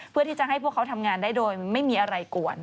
เพื่อที่จะให้พวกเขาทำงานได้โดยไม่มีอะไรกวน